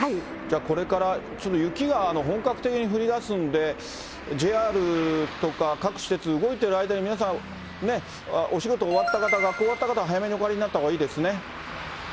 じゃあこれから雪が本格的に降りだすんで、ＪＲとか各私鉄、動いてる間に皆さん、お仕事終わった方、学校終わった方は早めにお帰りになったほうがいいですね。